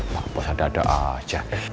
pak bos ada ada aja